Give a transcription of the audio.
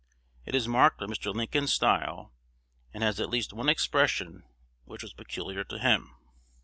It is marked by Mr. Lincoln's style, and has at least one expression which was peculiar to him.